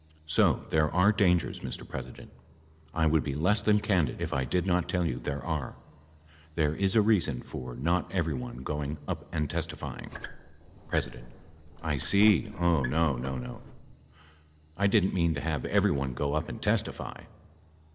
So there are dangers, Mr. President. I would be less than candid if I did not tell you there are. There is a reason for not everyone going up awl testifying. P. I see, Oh no, no, no ! I didn't mean to have everyone go up and testify.